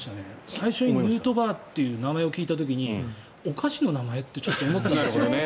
最初にヌートバーという名前を聞いた時にお菓子の名前？ってちょっと思ったんですよ。